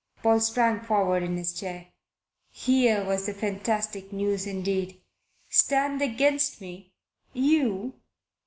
Paul sprang forward in his chair. Here was fantastic news indeed! "Stand against me? You?